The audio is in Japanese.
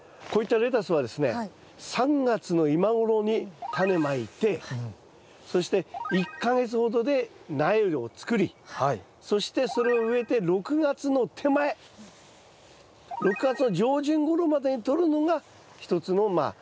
こういったレタスはですね３月の今頃にタネまいてそして１か月ほどで苗を作りそしてそれを植えて６月の手前６月の上旬頃までにとるのが一つのま